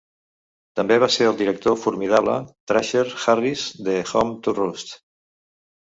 També va ser el director formidable "Thrasher" Harris de "Home To Roost".